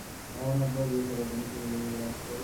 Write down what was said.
রাবণ আটবার বিয়ে করার জন্য পুনর্জন্ম লাভ করে?